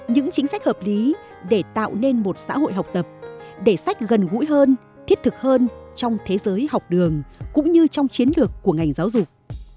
những chính sách hợp lý để tạo nên một xã hội học tập để sách gần gũi hơn thiết thực hơn trong thế giới học đường cũng như trong chiến lược của ngành giáo dục